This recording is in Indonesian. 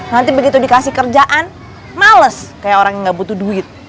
nanti begitu dikasih kerjaan males kayak orang yang gak butuh duit